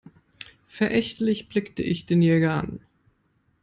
Verächtlich blickte ich den Jäger an.